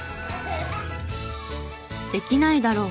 「できないだろう」